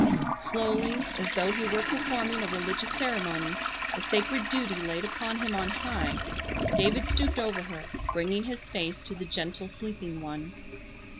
Slowly, as though he were performing a religious ceremony, a sacred duty laid upon him on high, David stooped over her, bringing his face to the gentle sleeping one.